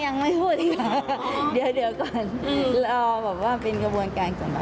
อ๋อยังไม่พูดอีกครับเดี๋ยวก่อนเราแบบว่าเป็นกระบวนการกลุ่มแบบนี้